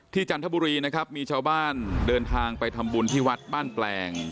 จันทบุรีนะครับมีชาวบ้านเดินทางไปทำบุญที่วัดบ้านแปลง